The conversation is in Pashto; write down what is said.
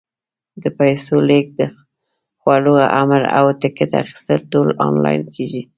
د پیسو لېږد، د خوړو امر، او ټکټ اخیستل ټول آنلاین کېږي.